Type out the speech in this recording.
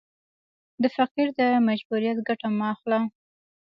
د فقیر د مجبوریت ګټه مه اخله.